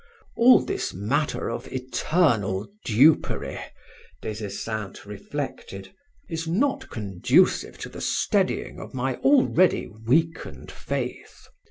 "All this matter of eternal dupery," Des Esseintes reflected, "is not conducive to the steadying of my already weakened faith.